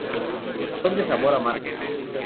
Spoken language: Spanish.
Son de sabor amargo.